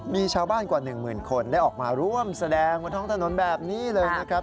มีชาวบ้านกว่า๑หมื่นคนได้ออกมาร่วมแสดงบนท้องถนนแบบนี้เลยนะครับ